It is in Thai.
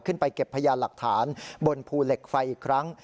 เก็บพยานหลักฐานบนภูเหล็กไฟอีกครั้ง